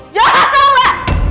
jahat tau gak